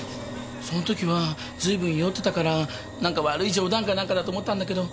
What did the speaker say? その時は随分酔ってたから何か悪い冗談か何かだと思ったんだけど。